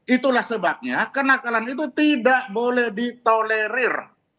itulah sebabnya kenakalan itu tidak boleh ditolerir